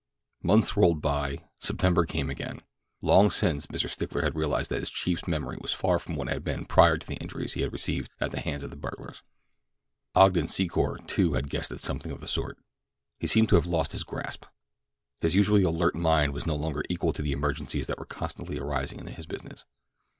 Months rolled by. September came again. Long since Mr. Stickler had realized that his chief's memory was far from what it had been prior to the injuries he had received at the hands of the burglars. Ogden Secor, too, had guessed at something of the sort. He seemed to have lost his grasp. His usually alert mind was no longer equal to the emergencies that were constantly arising in his business.